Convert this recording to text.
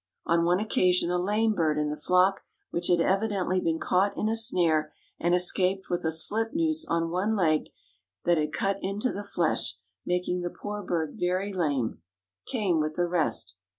On one occasion a lame bird in the flock, which had evidently been caught in a snare and escaped with a slip noose on one leg that had cut into the flesh, making the poor bird very lame, came with the rest.